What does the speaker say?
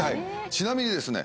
ちなみにですね